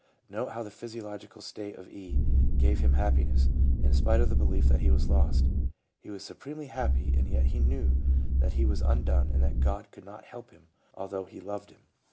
Note how the physiological state of E. gave him happiness, in spite of the belief that he was lost. He was supremely happy, and yet he knew that he was undone and that God could not help him, although He loved him.